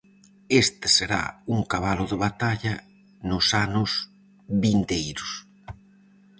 Este será un cabalo de batalla nos anos vindeiros.